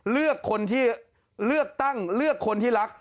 เลือกคนที่เลือกตั้งเลือกคนที่รัก